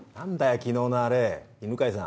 昨日のあれ犬飼さん。